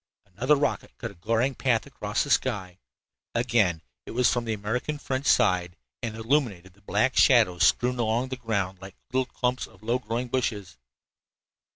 Another rocket cut a glaring path across the sky. Again it was from the American French side and illumined the black shadows strewn along the ground like little clumps of low growing bushes.